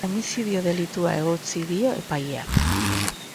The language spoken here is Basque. Homizidio delitua egotzi dio epaileak.